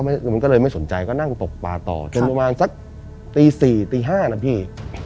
มันก็เลยไม่สนใจก็นั่งตกปลาต่อจนประมาณสักตีสี่ตีห้านะพี่